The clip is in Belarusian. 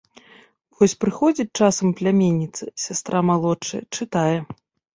Вось прыходзіць часам пляменніца, сястра малодшая, чытае.